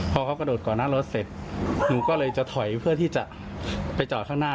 พอเขากระโดดก่อนหน้ารถเสร็จหนูก็เลยจะถอยเพื่อที่จะไปจอดข้างหน้า